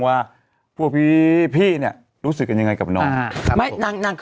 ว่าพวกพี่พี่เนี้ยรู้สึกกันยังไงกับน้องอ่าไม่นางนาง